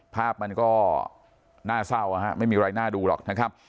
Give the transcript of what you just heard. ภาพมันก็น่าเศร้าไม่มีอะไรน่าดูหรอกนะครับ